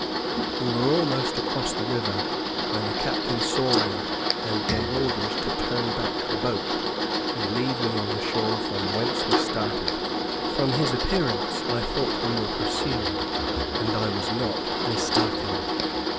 We were almost across the river, when the captain saw me, and gave orders to turn back the boat, and leave me on the shore from whence we started. From his appearance I thought we were pursued, and I was not mistaken.